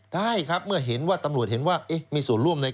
ได้ครับเมื่อเห็นว่าตำรวจเห็นว่ามีส่วนร่วมใน